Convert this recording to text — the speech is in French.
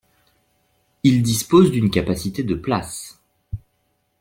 Il dispose d'une capacité de places.